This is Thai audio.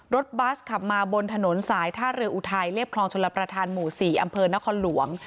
บัสขับมาบนถนนสายท่าเรืออุทัยเรียบคลองชลประธานหมู่๔อำเภอนครหลวง